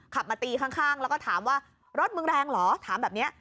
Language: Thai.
ขับมาตีข้างแล้วก็ถามว่ารถมึงแรงเหรอถามแบบนี้